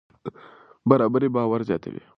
برابري باور زیاتوي.